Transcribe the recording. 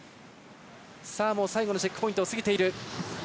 最後のチェックポイントを過ぎている。